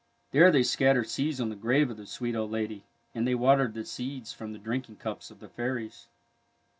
There they scattered seeds on the grave of the sweet old lady, and they watered the seeds from the drinking cups of the fairies.